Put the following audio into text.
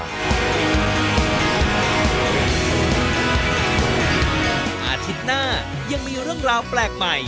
อาทิตย์หน้ายังมีเรื่องราวแปลกใหม่